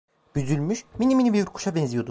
Büzülmüş minimini bir kuşa benziyordu.